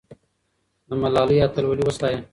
د ملالۍ اتلولي وستایه.